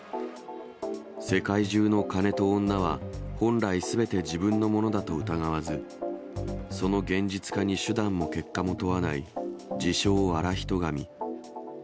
世界中の金と女は、本来、すべて自分のものだと疑わず、その現実化に手段も結果も問わない自称、現人神。